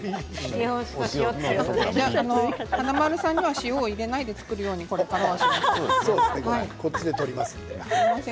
華丸さんには塩入れないで作るようにこれからはしますね。